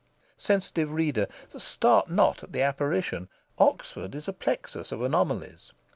Sensitive reader, start not at the apparition! Oxford is a plexus of anomalies.